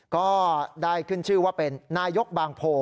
ก็ได้ขึ้นชื่อว่าเป็นนายกบางโพ